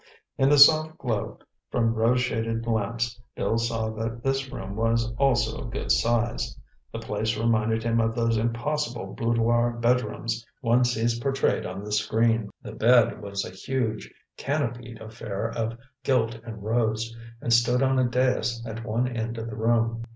In the soft glow from rose shaded lamps, Bill saw that this room was also of good size. The place reminded him of those impossible boudoir bedrooms one sees portrayed on the screen. The bed was a huge, canopied affair of gilt and rose, and stood on a dais at one end of the room.